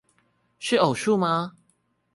是偶數嗎